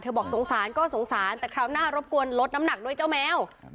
บอกสงสารก็สงสารแต่คราวหน้ารบกวนลดน้ำหนักด้วยเจ้าแมว